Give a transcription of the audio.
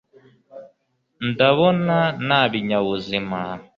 ndabona nta binyabuzima